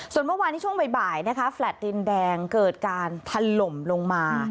ส่วนเมื่อวานที่ช่วงบ่ายนะคะแฟลต์ดินแดงเกิดการถล่มลงมา